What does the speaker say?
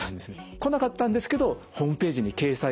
来なかったんですけどホームページに掲載されました。